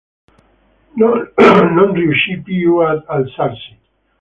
Non riuscì più ad alzarsi.